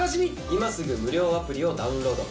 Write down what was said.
今すぐ無料アプリをダウンロード。